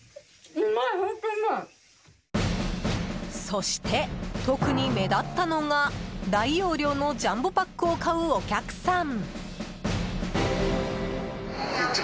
そして、特に目立ったのが大容量のジャンボパックを買うお客さん。